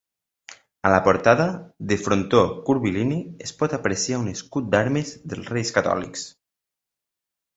A la portada, de frontó curvilini, es pot apreciar un escut d'armes dels Reis Catòlics.